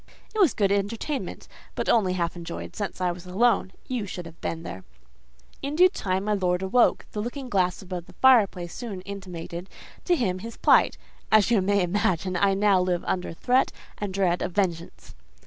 "It was good entertainment; but only half enjoyed, since I was alone: you should have been there. "In due time my lord awoke: the looking glass above the fireplace soon intimated to him his plight: as you may imagine, I now live under threat and dread of vengeance.